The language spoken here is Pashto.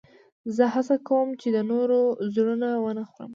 زه هڅه کوم، چي د نورو زړونه و نه خورم.